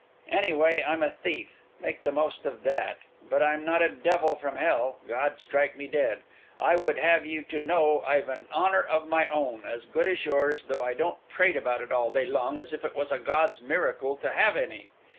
Any way I'm a thief—make the most of that—but I'm not a devil from hell, God strike me dead. I would have you to know I've an honour of my own, as good as yours, though I don't prate about it all day long, as if it was a God's miracle to have any.